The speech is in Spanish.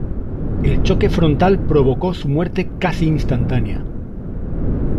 El choque frontal provocó su muerte casi instantánea.